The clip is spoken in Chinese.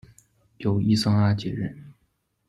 由伊桑阿接任。